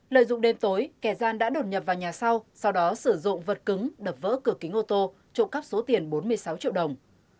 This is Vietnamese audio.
lợi dụng đêm tối kẻ gian đã đột nhập vào nhà sau sau đó sử dụng vật cứng đập vỡ cửa kính ô tô trộm cắp số tiền bốn mươi sáu triệu đồng